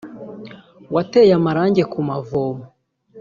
wateye amarange ku mavomo